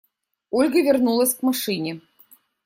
Ольга вернулась к машине.